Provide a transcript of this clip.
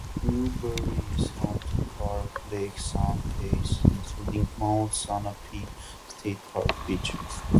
Newbury is home to part of Lake Sunapee, including Mount Sunapee State Park Beach.